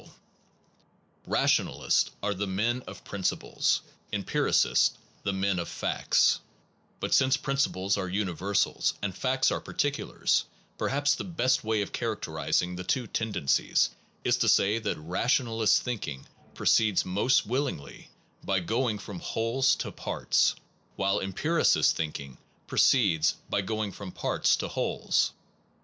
34 THE PROBLEMS OF METAPHYSICS Rationalists are the men of principles, empiri cists the men of facts; but, since principles are universals, and facts are particulars, perhaps the best way of characterizing the two ten dencies is to say that rationalist thinking pro ceeds most willingly by going from wholes to parts, while empiricist thinking proceeds by going from parts to wholes.